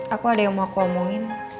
aku ada yang mau aku omongin